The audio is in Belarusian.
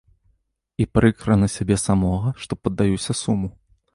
І прыкра на сябе самога, што паддаюся суму.